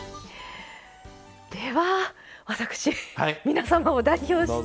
では私皆様を代表して。